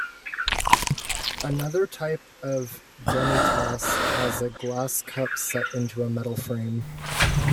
Another type of demitasse has a glass cup set into a metal frame.